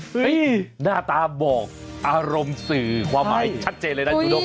หน้าตาบอกอารมณ์สื่อความหมายชัดเจนเลยนะจูด้ง